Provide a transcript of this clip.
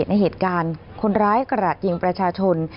ในเหตุการณ์คนร้ายกระหลาดยิงประชาชน